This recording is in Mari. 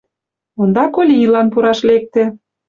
Ондак Олийлан пураш лекте.